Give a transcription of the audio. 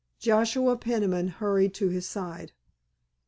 Joshua Peniman hurried to his side.